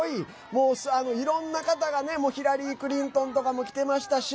もう、いろんな方がヒラリー・クリントンとかも来てましたし